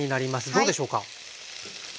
どうでしょうか。